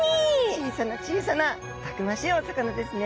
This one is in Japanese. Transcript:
小さな小さなたくましいお魚ですね。